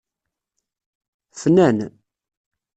Fnan